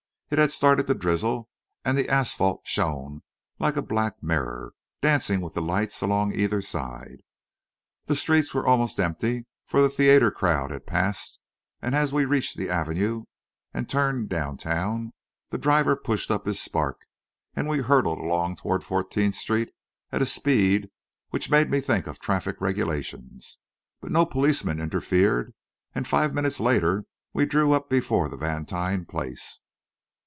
It had started to drizzle, and the asphalt shone like a black mirror, dancing with the lights along either side. The streets were almost empty, for the theatre crowd had passed, and as we reached the Avenue and turned down town, the driver pushed up his spark, and we hurtled along toward Fourteenth street at a speed which made me think of the traffic regulations. But no policeman interfered, and five minutes later we drew up before the Vantine place.